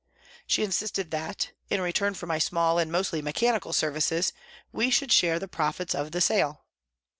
She insisted that, in return for my small and mostly mechanical services, we should share the profits of the sale.